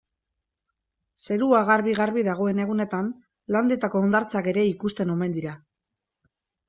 Zerua garbi-garbi dagoen egunetan Landetako hondartzak ere ikusten omen dira.